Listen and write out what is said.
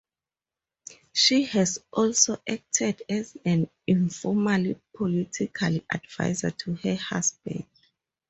She has also acted as an informal political advisor to her husband.